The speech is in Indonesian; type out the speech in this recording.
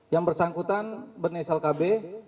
yang bersangkutan berinisial kb